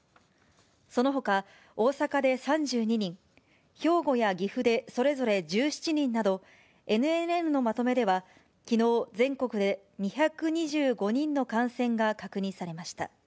そのほか、大阪で３２人、兵庫や岐阜でそれぞれ１７人など、ＮＮＮのまとめでは、きのう全国で２２５人の感染が確認されました。